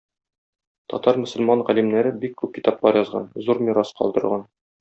Татар мөселман галимнәре бик күп китаплар язган, зур мирас калдырган.